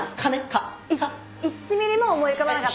１ｍｍ も思い浮かばなかった